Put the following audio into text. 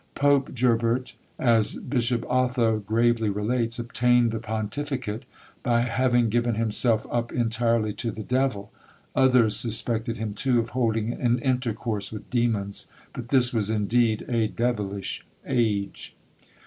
Pope Gerbert, as Bishop Otho gravely relates, obtained the pontificate by having given himself up entirely to the devil: others suspected him, too, of holding an intercourse with demons; but this was indeed a devilish age!